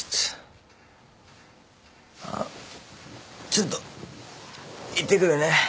あっちょっと行ってくるね。